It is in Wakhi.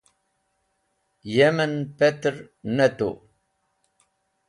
Yem en petr ne tu.